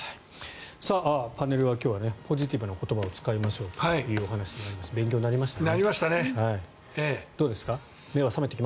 パネルは今日はポジティブな言葉を使いましょうお話をしましたなりましたね。